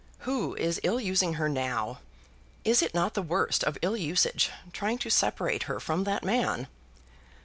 "Who is ill using her now? Is it not the worst of ill usage, trying to separate her from that man?"